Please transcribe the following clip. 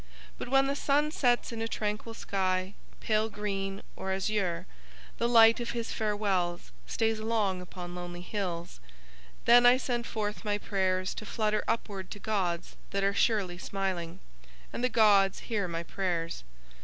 But when the sun sets in a tranquil sky, pale green or azure, and the light of his farewells stays long upon lonely hills, then I send forth my prayers to flutter upward to gods that are surely smiling, and the gods hear my prayers.